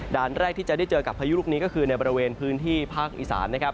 แรกที่จะได้เจอกับพายุลูกนี้ก็คือในบริเวณพื้นที่ภาคอีสานนะครับ